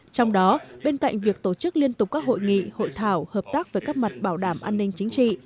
trong đó bên cạnh việc tổ chức liên tục các hội nghị hội thảo hợp tác về các mặt bảo đảm an ninh chính trị